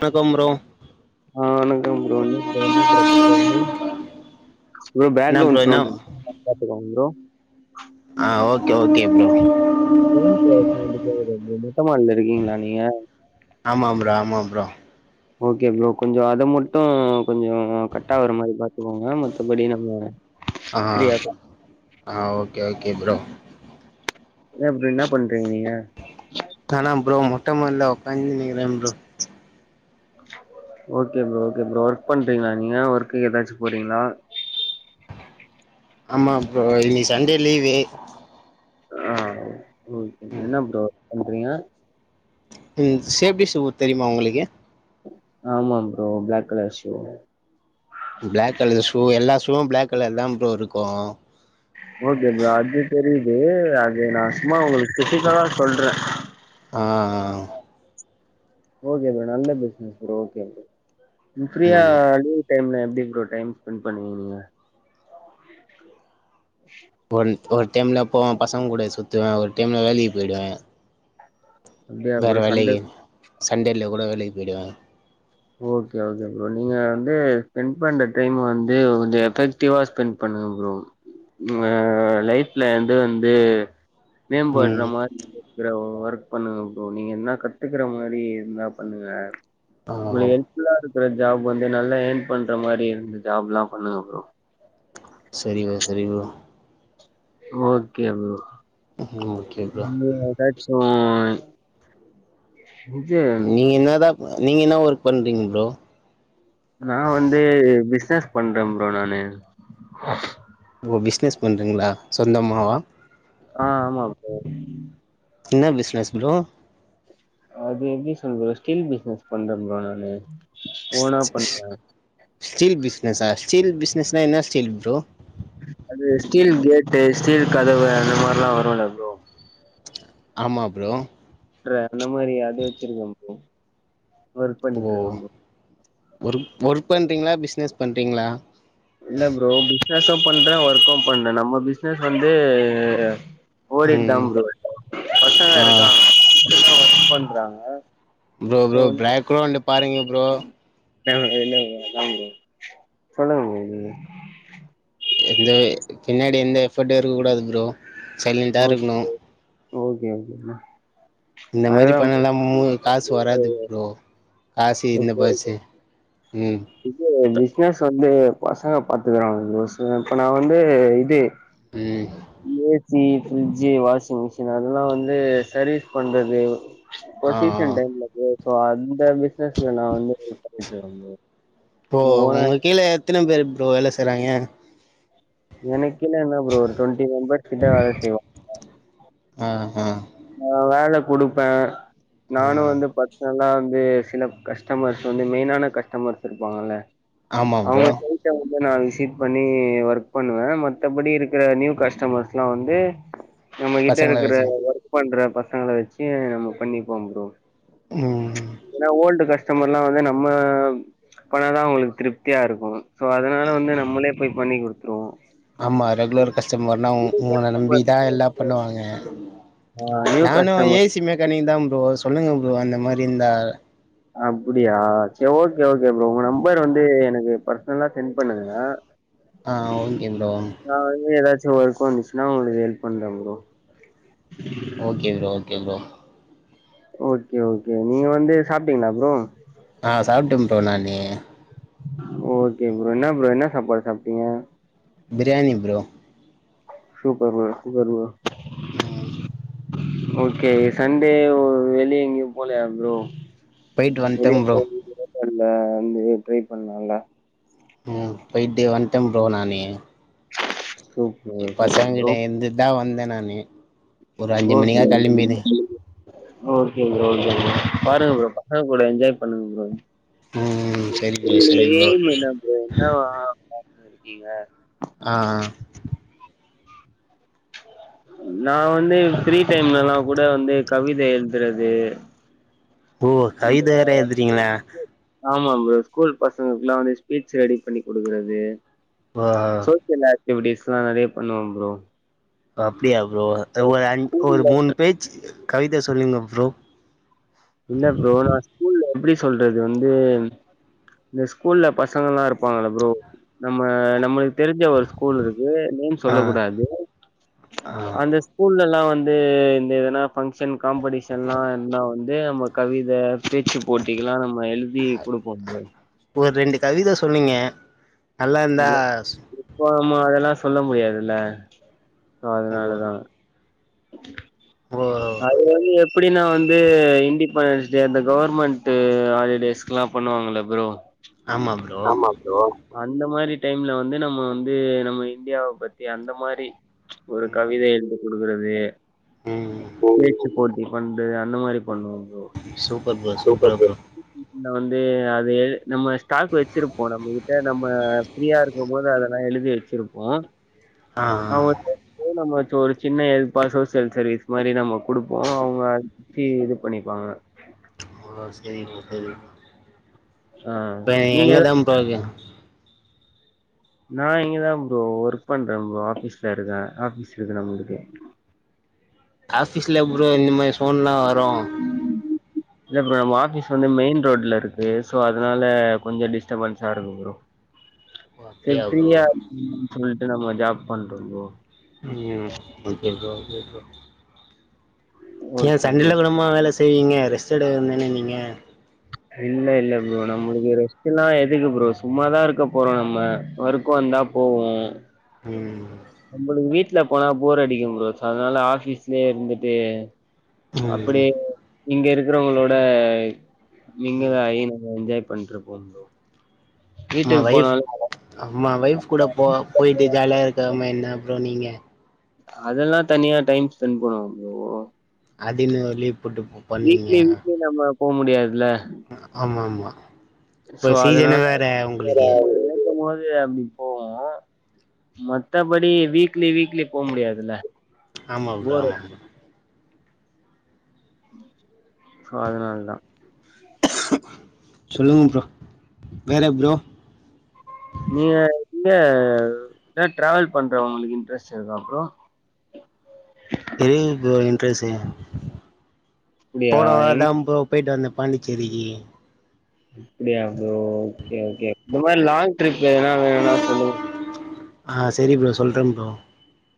வணக்கம் ப்ரோ ஆ வணக்கம் ப்ரோ என்ன ப்ரோ என்ன ப்ரோ [unintelligible] ப்ரோ என்ன ப்ரோ பேக்ரௌன்ட் என்ன சௌன் [inaudible] பாத்துக்கோங்க ப்ரோ ஆ ஓகே ஓகே ப்ரோ [inaudible] [inaudible] மொட்ட மாடில இருக்கீங்ளா நீங்க ஆமா ப்ரோ ஆமா ப்ரோ ஓகே ப்ரோ கொஞ்சொ அத மட்டு கொஞ்சொ கட் ஆகுற மாரி பாத் துக்கோங்க மத்தப்படி நம்ம ஆ ஃப்ரீயா ஆ ஓகே ஓகே ப்ரோ என்னா ப்ரோ என்ன பண்றீங்க நீங்க நானா ப்ரோ மொட்ட மாட்ல ஒக்காந்துனுக்குறம் bro okay bro okay bro work பண்றீங்ளா நீங்க ஒர்க்கு எதாச்சு போறீங்ளா ஆமா ப்ரோ இன்னிக்கு சண்டே லீவு ஆ ஓகே என்ன ப்ரோ பண்றீங்க ம் சேஃப்டி ஷூ தெரியுமா உங்களுக்கு ஆமா bro black colour shoe black colour shoe எல்லா ஷூவு ப்ளாக் கலர்தா ப்ரோ இருக்கு ஓகே ப்ரோ அது தெரிது அது நா சும்மா உங்களுக்கு [unintelligible] தா சொல்றே ஆ ஆ ஆ ஓகே ப்ரோ நல்லா பேசுனிங்க ப்ரோ ஓகே ப்ரோ ஃபிரீயா ம் டைம்ல எப்டி ப்ரோ டைம் ஸ்பெண்ட் பண்ணுவீங்க நீங்க ஒன் ஒரு டைம்ல போவோ பசங்க கூட சுத்துவே ஒரு டைம்ல வேலைக்கு போயி்டுவே அப்டியா வேற ப்ரோ சண்டே வேலைக்கி சண்டேல கூட வேலைக்கு போய்டுவே ஓகே ஓகே ப்ரோ நீங்க வந்து ஸ்பெண்ட் பண்ற டைம் வந்து கொஞ்சோ எஃபெக் டிவா ஸ்பெண்ட் பண்ணுங்க ப்ரோ அ லைஃப்ல எது வந்து மேம்பட்ற ம் மாரி ஒர்க் பண்ணுங்க ப்ரோ நீங்க எதுனா கத்துக்கற மாரி எத்னா பண்ணுங்க ஆ உங்களுக்கு ஹெல்ப்ஃபுல்லா இருக்கிற ஜாப் வந்து நல்லா ஏர்ன் பண்ற மாரி இருந்த ஜாப்லா பண்ணுங்க ப்ரோ செரி ப்ரோ செரி ப்ரோ ஓகே ப்ரோ ம் ஓகே ப்ரோ ம் ஏதாச்சு இது நீங்க என்னாதா நீங்க என்னா ஒர்க் பண்றீங்க ப்ரோ நா வந்து பிசினஸ் பண்றே ப்ரோ நானு ஓ பிஸ்னஸ் பண்றிங்ளா சொந்தமாவா ஆ ஆமா ப்ரோ என்ன பிசினஸ் ப்ரோ அது எப்டி சொல்றது ஸ்டீல் பிசினஸ் பன்றே ப்ரோ நானு ஓனா பண்றே ஸ்டீல் பிஸினஸா ஸ்டீல் பிஸினஸ்னா என்ன ஸ்டீல் ப்ரோ அது ஸ்டீல் கேட்டு ஸ்டீல் கதவு அந்த மாரில்லா வருல்ல ப்ரோ ஆமா ப்ரோ ற அந்த மாரி அது வச்சிருக்க ப்ரோ ஒர்க் ஓ பண்ணிட்ருக்க ப்ரோ ஒர்க் ஒர்க் பண்ணுறிங்ளா பிஸ்னஸ் பண்றிங்ளா இல்ல ப்ரோ பிஸினஸு பண்றே ஒர்க்கு பண்றே நம்ம பிஸினஸ் வந்து ஓடிட்டுதா ம் ப்ரோ இருக்கு பசங்க ஆ இருக்காங்க எல்லா ஒர்க் பண்றாங்க ப்ரோ சோ ப்ரோ ப்ரேக்ரௌண்டு பாருங்க ப்ரோ அ என்னா ப்ரோ அதா ப்ரோ சொல்லுங்க ப்ரோ நீங்க எந்த பின்னாடி எந்த எஃபர்ட்டு இருக்க கூடாது ப்ரோ சைலண்ட்டா இருக்ணு ஓகேங்க ப்ரோ ம் இந்த மாரி பணலா மு காசு வராது ப்ரோ காசு இந்த ஓகே பஸ் ம் இது பிஸினஸ் வந்து பசங்க பாத்துக்குறாங்க ப்ரோ இப்ப நா வந்து இது ம் ம் சி ஃபிரிட்ஜு வாஷிங் மிஷினு அதெல்லா வந்து சர்வீஸ் பண்றது இப்போ ஆ ஆ சீசன் டைம்ல ப்ரோ சோ அந்த பிசினஸ்ல நா வந்து பண்ணிட்ருக்கே ப்ரோ இப்போ இங்க ஓனா உங்க கீழே எத்தன பேர் ப்ரோ வேல செய்றாங்கே எனக் கீழ என்னா ப்ரோ ஒரு டொண்ட்டி மெம்பர்ஸ் கிட்ட வேல செய்வா ஆ ஹ நா வேல குடுப்பே ஆ நானு வந்து பாத் ப நா வந்து சில கஸ்டமர்ஸ் வந்து மெயினான கஸ்டமர்ஸ் இருப்பாங்கல்ல ஆமா ப்ரோ அவங்கள போய் [unintelligible] நா விசிட் பண்ணி ஒர்க் பண்ணுவ மத்தபடி இருக்கிற நியூ கஸ்டமர்ஸ்ல்லா வந்து நம்மகிட்ட பசங்கள இருக்கிற வச்சு ஒர்க் பண்ற பசங்கள வச்சு நம்ம பண்ணிப்போம் ப்ரோ ம் ஏன்னா ஓல்டு கஸ்டமர் எல்லா வந்து நம்ம பண்ணாதா உங்களுக்கு திருப்தியா இருக்கு சோ அதனால வந்து நம்மளே போய் பண்ணி குடுத்ருவோ ஆமா ரெகுலர் கஸ்டமர்னா உங்கள கஸ்டமர் நம்பிதா எல்லா பண்ணுவாங்க ஆ நியூ நானு கஸ்டமர் ஏசி மெக்கானிக் தா ப்ரோ சொல்லுங்க ப்ரோ அந்த மாரிந்தா அப்புடியா சேரி ஓகே ஓகே ப்ரோ உங்க நம்பர் வந்து எனக்கு பர்சனலா சென்ட் பண்ணுங்க ஆ ஓகே ப்ரோ நா வந்து ஏதாச்சு ஒர்க் வந்துச்சுன்னா உங்களுக்கு ஹெல்ப் பண்றன்ங் bro okay bro okay bro okay okay நீங்க வந்து சாப்ட்டீங்கா அப்றோ ஆ சாப்ட்டம் ப்ரோ நானு ஓகே ப்ரோ என்ன ப்ரோ என்ன சாப்பாடு சாப்ட்டீங்க biryani bro super bro super bro உம் ஓகே சண்டே வெளிய எங்கயும் போலயா ப்ரோ போய்ட்டு வெளிய வந்ட்டே [unintelligible] ப்ரோ வந்து வண்டி ரிப்பேர் பண்ணங்க ஓ போயிட்டு வந்ட்ட ப்ரோ நானு சூப்பர் ப்ரோ பசங்கிட்ட இருந்து தா வந்த நானு ஒரு அஞ்சு சூப்பர் மணியா ப்ரோ ஓகே களம்பிது ஓகே ஓகே பாருங்க ப்ரோ பசங்க கூட என்ஜாய் பண்ணுங்க ம் சரி ப்ரோ நீங்க சரி ப்ரோ என்ன ப்ரோ என்ன பாத்துட்றீக்கீங்க ஆ நா வந்து ஃப்ரீ டைம்ல்லா கூட வந்து கவித எழுதுறது ஓ கவித வேற எழுதுறீங்களா ஆமாம் ப்ரோ ஸ்கூல் பசங்களுக்குல்லா வந்து ஸ்பீச் ரெடி பண்ணி குடுக்குறது ஆ சோசியல் ஆக்டிவிட்டிஸ்லா நறைய பண்ணுவம் ப்ரோ ஓ அப்டியா ப்ரோ ஒரு அஞ் ஒரு மூணு பேஜ் கவித சொல்லுங்க ப்ரோ இல்ல ப்ரோ நா ஸ்கூல்ல எப்டி சொல்றது வந்து இந்த ஸ்கூல்ல பசங்கள்ல்லா இருப்பாங்கள ப்ரோ நம்ம நம்மள் தெரிஞ்ச ஒரு ஸ்கூல் இருக்கு நேம் ஆ சொல்ல கூடாது ஆ அந்த ஸ்கூல்லெல்லா வந்து இந்த எதனா பங்க்ஷன் காம்படிஷன்னா எல்லாம் வந் து நம்ம கவித பேச்சு போட்டிக்கெல்லாம் நம்ம எழுதி குடுப்போம் ப்ரோ ஒரு ரெண்டு கவித சொல்லுங்க நல்லாருந்தா ப்போ நம்ம அதெல்லா சொல்ல முடியாதுல்ல ஓ அதனாலதா ஓ அது வந்து இப்படின்னா வந்து இண்டடிபெண்டன்ஸ் டே அந்த கவர்மெண்ட் ஹாலிடேஸ்க்கெல்லாம் பண்ணுவாங்கள ப்ரோ ஆமா ப்ரோ ஆமா. அந்த மாரி டைம்ல வந்து நம்ம வந்து நம்ம இந்தியாவ பத்தி அந்த மாரி ஒரு ம் கவித எழுதி குடுக்குறது ம் பேச்சு போட்டி பண்டு அந்த மாரி பண்ணுவம் ப்ரோ சூப்பர் ப்ரோ சூப்பரா ப்ரோ வந்து அது நம்ம ஸ்டாக் வச்சிருப்போ நம்ம கிட்ட நம்ம ஃப்ரீயா அதெல்லா எழுதி வச்சிருப்போ ஆ [unintelligible] சின்ன இதுப்பா சோசியல் சர்வீஸ் மாரி நம்ம கொடுப்போ அவங்க அச்சு இது பண்ணிப்பாங்க ஓ சரி ப்ரோ சரி ப்ரோ ஆ இப்ப நீங்க எதா எங்கதா போவே நா இங்கதா ப்ரோ ஒர்க் பண்றே ப்ரோ ஆபீஸ்ல இருக்கே ஆபீஸ் இருக்கு நம்மளுக்கு ஆபிஸ்ல [unintelligible] இந்த மைரி சோன்லா வரு இல்ல நம்ம ஆஃபீஸ் வந்து மெயின் ரோட்ல இருக்கு ஸோ அதனால கொஞ்சோ டிஸ்டர்பன்ஸா இருக்கு ப்ரோ சரி அப்டியா ப்ரோ ஃப்ரீயா சொல்லிட்டு நம்ம மஜா பண்றோ ப்ரோ ம்ம் ஒகே ப்ரோ ஒகே ப்ரோ ஏ ஓகே ப்ரோ சண்டையில கூடமா வேல செய்வீங்க ரெஸ்ட் எடுக்க வேண்டியது தான நீங்க இல்ல இல்ல ப்ரோ நம்மளுக்கு ரெஸ்ட் எல்லா எதுக்கு ப்ரோ சும்மாதா இருக்க போறோ நம்ம ஒர்க்க வந்தா போவோ ம் நம்மளுக்கு வீட்டு்ல போனா போர் அடிக்கு ப்ரோ ச அதனால ஆபீஸ்லயே இருந்துட்டு ம் அப்டி இங்க இருக்கிறவங்களோட ம் நீங்கதா [unintelligible] நாங்க என்ஜாய் பண்ணிருப்போ ப்ரோ ஆமா வீட்டுக்கு ஒய்ப் போனாலு அம்மா ஒய்ப் கூட போக போயிட்டு ஜாலியா இருக்கமா என்ன ப்ரோ நீங்க அதெல்லா தனியா டைம் ஸ்பெண்ட் பண்ணுவே ப்ரோ அது இன்னோரு லீவ் போட்டுப்பே வீக்லி வீக்லி நம்ம போ முடியாதுல ஆமாமாமா சோ அதுனால [unintelligible] போவோ மத்தபடி வீக்லி வீக்லி போக முடியாதுல்ல ஆமா ப்ரோ ஒரு ஆமா ப்ரோ சோ அதனால தா சொல்லுங்க ப்ரோ வேற ப்ரோ நீங்க இங்க ட்ராவல் பண்றவங்களுக்கு இன்ட்ரெஸ்ட் இருக்கா ப்ரோ தெரிது ப்ரோ இன்ட்ரெஸ்டு அப்டியா போன எங் வாரதா ப்ரோ போய்ட்டு வந்த பாண்டிச்சேரிக்கு அப்டியா ப்ரோ ஒகே ஒகே இந்த மாரி லாங் ட்ரிப் என்ன வேணா சொல்லுங்க அ செரி ப்ரோ சொல்றே ப்ரோ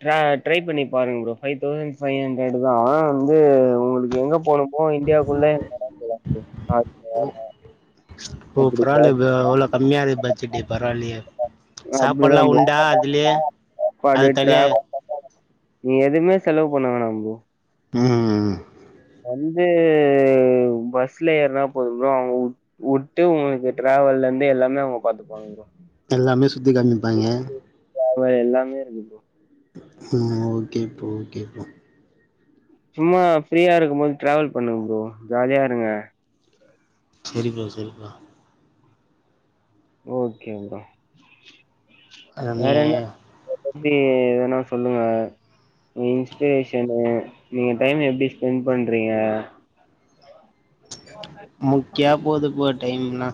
ட்ரா ட்ரை பண்ணி பாருங்க ப்ரோ தௌசண்ட் ஃபைவ் ஹண்ட்ரட் தா உங்களுக்கு எங்கே போணு போ இந்தியா குள்ளே [inaudible] ஒ பரவால்ல ப்ரோ இவ்ளோ கம்மியா இருக்கு பட்ஜெட்டு பரவால்லயே அப்டிதா சாப்பாடுல உண்டா ப்ரோ அதுலயே சாப்பாடு அது தனியா டிராவல் நீ எதுவுமே செலவு பண்ண வேணா ப்ரோ அ வந்து பஸ்ல ஏறுனா போது ப்ரோ அவங்க வு வுட்டு உங்களுக்கு டிராவல் இருந்து எல்லாமே அவங்க பாத்துப்பாங்க வாங்க எல்லாமே சுத்தி காமிப்பாய்ங்க ஆமா எல்லாமே இருக்கு ப்ரோ ம் ஓகே ப்ரோ ஓகே ப்ரோ சும்மா ஃப்ரீயா இருக்கு போது டிராவல் பண்ணுங்க ப்ரோ ஜாலியா இருங்க செரிப்பா செரிப்பா ஓகே ப்ரோ ப்ரோ நீ வேறென்ன உங்ள பத்தி எதுனா சொல்லுங்க உங்க இன்ஸ்ப்ரேஷனு நீங்க டைம் எப்டி ஸ்பெண்ட் பண்றீங்க மொக்கியா போதுப்பா டைம்ல்லா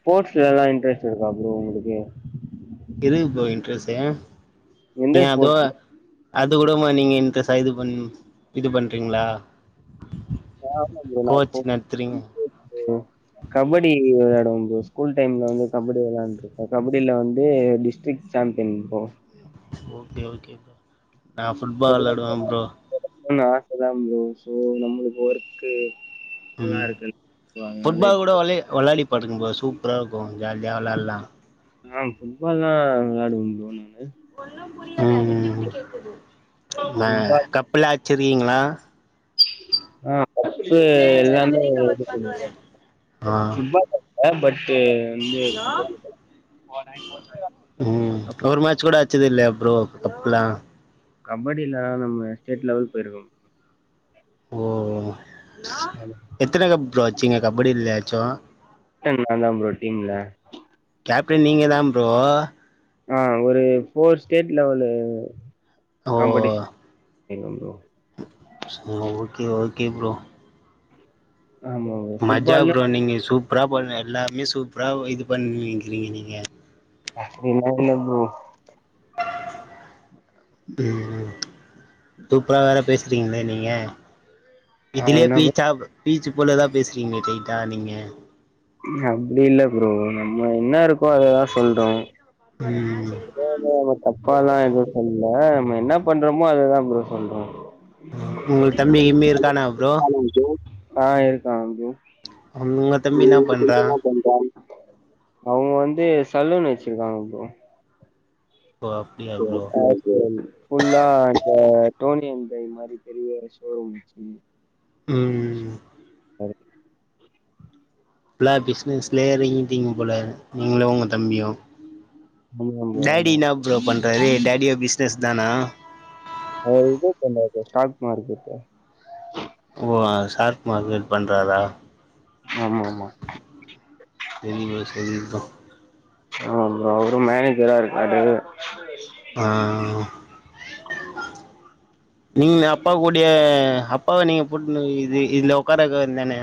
ஸ்போட்ஸ்லல்லா இன்ட்ரஸ்ட் இருக்கா ப்ரோ உங்களுக்கு எதுக்கு ப்ரோ இன்ட்ரஸ்ட்டு ஏ எந்த அதோ ஸ்போர்ட்ஸ் அது கூடமா நீங்க இன்ட்ரஸ்ட்டா இது பண் இது பண்றீங்ளா ஆமா ப்ரோ நா ஸ்போட் இன்ட்ரஸ்ட்டு கபடி விளாடுவ ஸ்கூல் டைம்ல வந்து கபடி விளாண்ருக்க கபடில வந்து district champion bro okay okay bro நா ஃபுட்பால் விளாடுவே ப்ரோ [inaudible] ணுன் ஆச தா ப்ரோ சோ நம்மளுக்கு ஒர்க்கு எல்லா ம் இருக்குல்ல ஸோ அதனால ஃபுட்பால் கூட இப்ப வெளைய வெளாடி பாருங் ப்ரோ சூப்பரா இருக்கு ஜாலியா வெளாட்லா ஆ ஃபுட்பால்லா விளாடுவே ப்ரோ நானு ம் மே ஃபுட்பால் கப்பெல்லா ஆச்சிருறீங்ளா ஆ கப்பு எல்லாமே இது ஆ பண்ணிர்க்கே ஃபுட் பால் டுவே பட்டு வந்து கபடி [inaudible] ம் ஒரு மேட்ச்சு கூட அச்சதில்லயா ப்ரோ கப்புலா கபடில நம்ம ஸ்டேட் லெவல் போய்ருக்கோ ஓ ஓ ஆ எத்தன கப் ப்ரோ அச்சீங்க கபடிலயாச்சு கேப்டன் நா தா ப்ரோ டீம்ல கேப்டன் நீங்க தா ப்ரோ ஆ ஒரு ஃபோர் ஸ்டேட் லெவலு காம்படிஷன் போய்ர்க்க ப்ரோ செ ரி தா ஓகே ஓகே ப்ரோ ஆமா ப்ரோ மஜா ஃபுட்பால்ல ப்ரோ நீங்க சூப்பரா பண்ண எல்லாமே சூப்பரா ஓ இது பண்ணிங்கிறீங்க நீங்க அப்டிலா இல்ல ப்ரோ ம் சூப்பரா வேற பேச றீங்ளே நீங்க இதுலயே ஆனா பீச்சாபு பீச்சு போலதா பேஸ்றீங்க லைட்டா நீங்க அப்டில்ல ப்ரோ நம்ம என்ன இருக்கோ அததா சொல்றோ ம் வேற நம்ம தப்பால்லா எதுவு சொல்ல நம்ம என்ன பண்றமோ அததா ப்ரோ சொல்றோ உங்க தம்பி கிம்பி இருக்கானா ப்ரோ ஆ இருக்காங்க உங்க ப்ரோ தம்பி என்ன [inaudible] பண்றா இன்னா பண் அவங் வந்து சலூன் வெச்சிக்றாங்க ப்ரோ ஓ அப்டியா ப்ரோ ஓகே ஃபுல்லா அந்த ட்ரோனி கேம் பைக் மாரி பெரிய சோரூம் வெச்சிக்னு ம் [inaudible] அது ஃபுல்லா பிஸ்னஸ்லே எறங்கிட்டீங்க போல நீங்ளு உங்க தம்பியு ப்ரோ டாடி ஆமா இன்னா ப்ரோ பண்றாரு டாடியு பிஸ்னஸ் தானா ஆ இது பண்றாரு ஷார்ட் மார்கெட் ஓ ஷார்ட் மார்க்கெட் பண்றாரா ஆமா ஆமா சரி ப்ரோ சரி ப்ரோ ஆமா ப்ரோ அவரு மேனேஜரா இருக்காரு ஆ நீங்க அப்பா கூட அப்டியே அப்பாவ நீங்க போட்டுன்னு இது இதுல ஒக்கார வக்க வேண்டி தான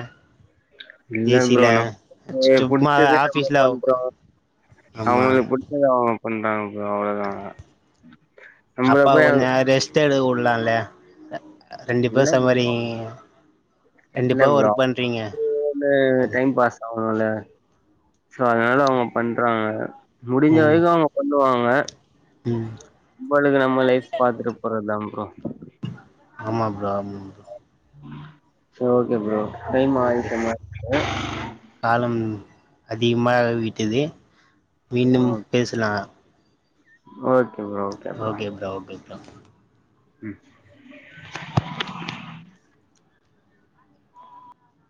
இல்ல ப்ரோ நமக்கு சும்மா புடிச்சதே நம்ம ஆஃபீஸ்ல பண்றோ உக்கா ஆமா அவுங்களுக்கு பிடிச்சத அவுங்க பண்றாங்க ப்ரோ அவ்ளதா அப்பாவ கொஞ்சோ ரெஸ்ட் எடுக்க வுடலால்ல ரெண்டு இல்ல பேரு ப்ரோ சம்பாரிக்கீங்க இல்ல ப்ரோ ஃபோனு டைம் பாஸ் கவல இல்ல சோ அதனால அவுங்க பண்றாங்க முடிஞ்ச ம் வரைக்கு அவுங்க பண்ணுவாங்க ம் இப்போதைக்கு நம்ம லைஃப் பாத்துட்டு போறதுதா ப்ரோ ஆமா ப்ரோ ஆமா ப்ரோ சரி ஓகே ப்ரோ டைம் ஓகே ஆகிருச்சா பாக்குறே காலம் அதிகமாகி விட்டது மீண்டும் பேசலா okay bro okay bro okay bro ம்